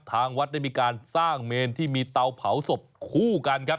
ทางวัดได้มีการสร้างเมนที่มีเตาเผาศพคู่กันครับ